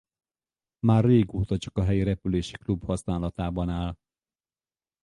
Már régóta csak a helyi repülési klub használatában áll.